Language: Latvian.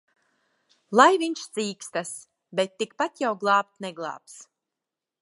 Lai viņš cīkstas! Bet tikpat jau glābt neglābs.